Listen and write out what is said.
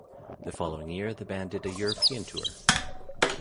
The following year, the band did a European tour.